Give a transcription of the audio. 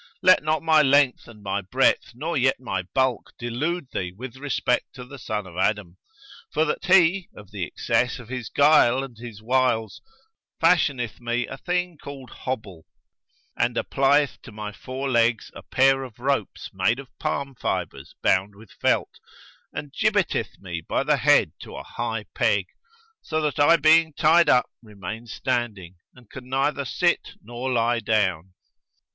Let not my length and my breadth nor yet my bulk delude thee with respect to the son of Adam; for that he, of the excess of his guile and his wiles, fashioneth me a thing called Hobble and applieth to my four legs a pair of ropes made of palm fibres bound with felt, and gibbeteth me by the head to a high peg, so that I being tied up remain standing and can neither sit nor lie down.